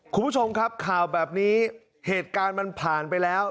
คุณผู้ชมครับข่าวแบบนี้เหตุการณ์มันผ่านไปแล้ว